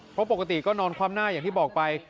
เพราะปกติก็นอนคว่ำหน้าอย่างที่บอกไป